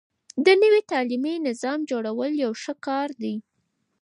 د نوي تعليمي نظام جوړول يو ښه کار دی.